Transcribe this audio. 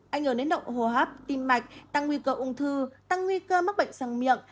ảnh hưởng đến động hồ hấp tim mạch tăng nguy cơ ung thư tăng nguy cơ mắc bệnh sang miệng